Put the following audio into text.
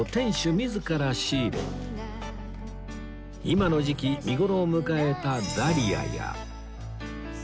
今の時期見頃を迎えたダリアや